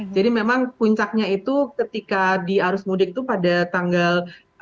jadi memang puncaknya itu ketika di arus mudik itu pada tanggal